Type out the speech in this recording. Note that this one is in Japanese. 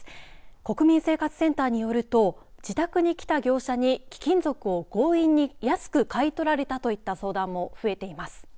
国民生活センターによると自宅に来た業者に貴金属を強引に安く買い取られたといった相談も増えています。